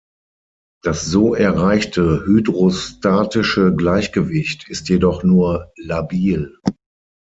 Das so erreichte hydrostatische Gleichgewicht ist jedoch nur labil.